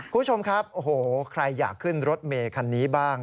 คุณผู้ชมครับโอ้โหใครอยากขึ้นรถเมคันนี้บ้าง